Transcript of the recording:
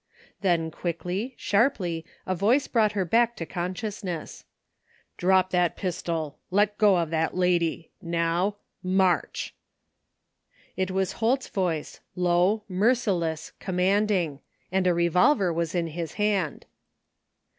Then quickly, sharply, a voice brought her back to consciousness. " Drop that pistol ! Let go of that lady ! Now, march! " It was Holt's voice, low, merciless, commanding; and a revolver was in his hand.